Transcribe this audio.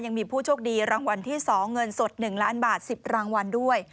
ยังมีผู้โชคดีรางวัลที่๒เงินสด๑ล้านบาท๑๐รางวัลด้วย